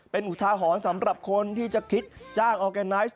เป็นอุทาหรณ์สำหรับคนที่จะคิดจ้างออร์แกนไนซ์